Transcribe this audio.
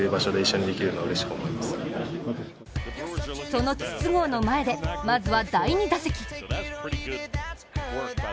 その筒香の前で、まずは第２打席。